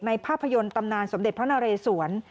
ภาพยนตร์ตำนานสมเด็จพระนเรศวร